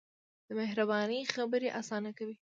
د مهربانۍ خبرې ژوند اسانه کوي.